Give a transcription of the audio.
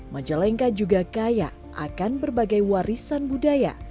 majalengka juga kaya akan berbagai warisan budaya